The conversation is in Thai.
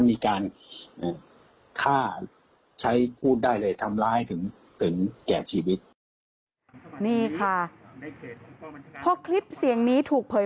มีการฆ่าใช้พูดได้เลยทำร้ายถึงแก่ชีวิต